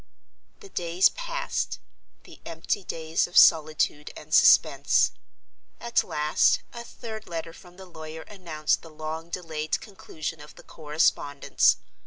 The days passed, the empty days of solitude and suspense. At last, a third letter from the lawyer announced the long delayed conclusion of the correspondence.